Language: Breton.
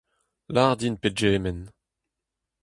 Lar din pegement.